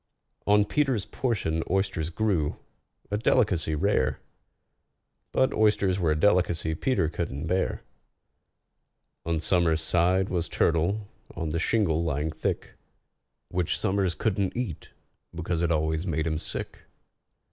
On PETER'S portion oysters grew—a delicacy rare, But oysters were a delicacy PETER couldn't bear. On SOMERS' side was turtle, on the shingle lying thick, Which SOMERS couldn't eat, because it always made him sick.